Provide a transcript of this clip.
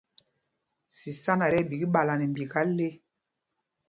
Sísána ɛ tí ɛɓik ɓala nɛ mbika le.